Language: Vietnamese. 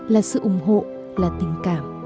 là sự ủng hộ là tình cảm